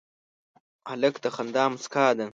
هلک د خندا موسکا ده.